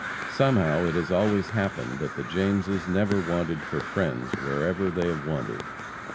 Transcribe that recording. Somehow it has always happened that the Jameses never wanted for friends wherever they have wandered.